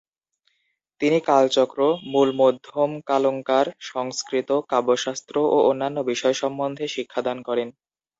তিনি কালচক্র, মূলমধ্যমকালঙ্কার, সংস্কৃত, কাব্যশাস্ত্র ও অন্যান্য বিষয় সম্বন্ধে শিক্ষাদান করেন।